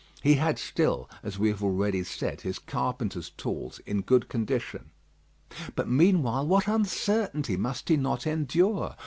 He had still, as we have already said, his carpenters' tools in good condition. But meanwhile what uncertainty must he not endure!